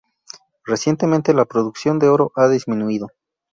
Recientemente, la producción de oro ha disminuido.